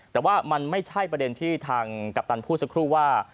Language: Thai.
แต่ว่ามันไม่ใช่ประเด็นที่ทางกัปตันพูดสักครู่ว่า